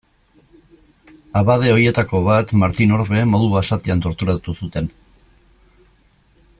Abade horietako bat, Martin Orbe, modu basatian torturatu zuten.